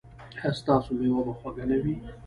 ایا ستاسو میوه به خوږه نه وي؟